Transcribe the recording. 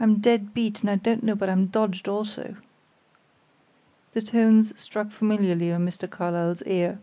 I'm dead beat, and I don't know but I'm dodged also." The tones struck familiarly on Mr. Carlyle's ear.